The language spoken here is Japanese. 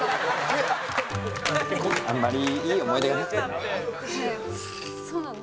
あんまりいい思い出がなくてね。